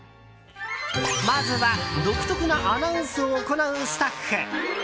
まずは独特なアナウンスを行うスタッフ。